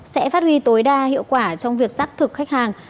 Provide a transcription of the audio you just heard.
sẽ phát huy tối đa hiệu quả trong việc xác thực khách hàng